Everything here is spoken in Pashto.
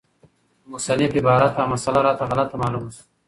د مصنف عبارت او مسأله راته غلطه معلومه شوه،